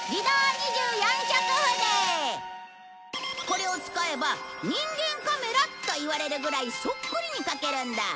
これを使えば人間カメラと言われるぐらいそっくりに描けるんだ。